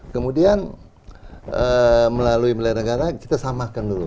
kemudian melalui belanegara kita samakan dulu